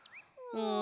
うん。